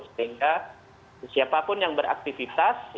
sehingga siapapun yang beraktifitas